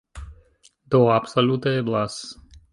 Do, absolute eblas.